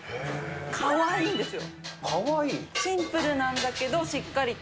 かわいいんですよ。